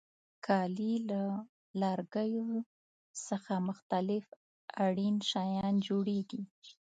کالي له لرګیو څخه مختلف اړین شیان جوړیږي.